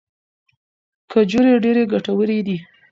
کجورې ډیرې ګټورې دي.